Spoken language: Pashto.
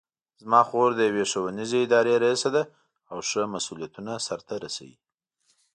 زما خور د یوې ښوونیزې ادارې ریسه ده او ښه مسؤلیتونه سرته رسوي